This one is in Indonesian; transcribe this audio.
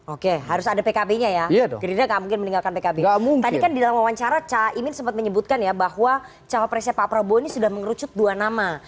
oke harus ada pkb nya ya gerindra nggak mungkin meninggalkan pkb tadi kan di dalam wawancara caimin sempat menyebutkan ya bahwa cawapresnya pak prabowo ini sudah mengerucut dua nama